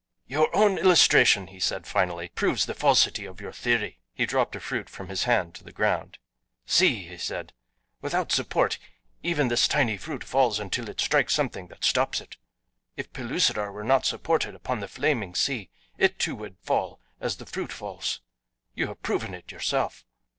"Your own illustration," he said finally, "proves the falsity of your theory." He dropped a fruit from his hand to the ground. "See," he said, "without support even this tiny fruit falls until it strikes something that stops it. If Pellucidar were not supported upon the flaming sea it too would fall as the fruit falls you have proven it yourself!"